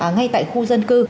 ngay tại khu dân cư